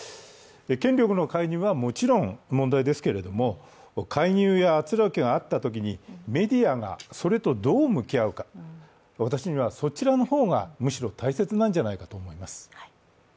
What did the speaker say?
権力の介入はもちろん問題ですけれども介入や圧力があったときにメディアがそれとどう向き合うか、私にはそちらの方がむしろ大切なんじゃないかと思います。